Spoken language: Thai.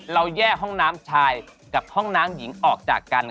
ตามแอฟผู้ชมห้องน้ำด้านนอกกันเลยดีกว่าครับ